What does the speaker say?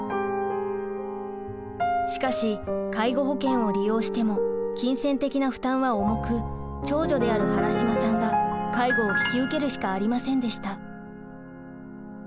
しかし介護保険を利用しても金銭的な負担は重く長女である原島さんが介護を引き受けるしかありませんでした。